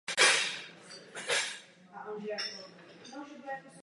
Musíme zajistit, že o tento cíl budeme důsledně usilovat.